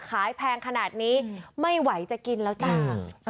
แพงขนาดนี้ไม่ไหวจะกินแล้วจ้า